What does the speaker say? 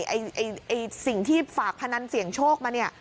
ไอ้สิ่งที่ฝากพนันเสี่ยงโชคมาเนี่ย